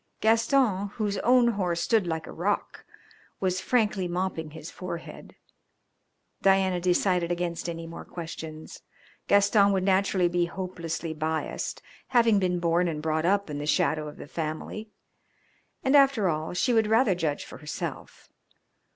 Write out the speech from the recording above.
Gaston, whose own horse stood like a rock, was frankly mopping his forehead. Dianna decided against any more questions. Gaston would naturally be hopelessly biased, having been born and brought up in the shadow of the family, and after all she would rather judge for herself.